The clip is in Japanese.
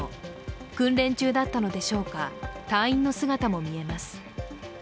訓練中だったのでしょうか、隊員の姿も見えます。